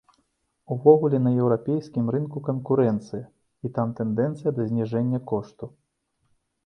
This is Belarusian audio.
Увогуле на еўрапейскім рынку канкурэнцыя і там тэндэнцыя да зніжэння кошту.